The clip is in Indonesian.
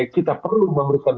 kita perlu memberikan